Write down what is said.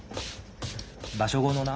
場所後のな